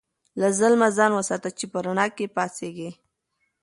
له ظلمه ځان وساته چې په رڼا کې پاڅېږې.